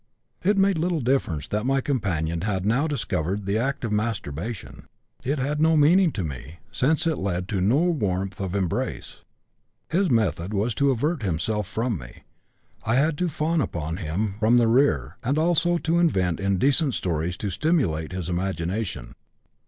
It made little difference that my companion had now discovered the act of masturbation; it had no meaning to me, since it led to no warmth of embrace. His method was to avert himself from me; I had to fawn upon him from the rear and also to invent indecent stories to stimulate his imagination.